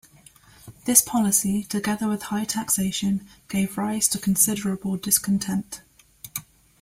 This policy, together with high taxation, gave rise to considerable discontent.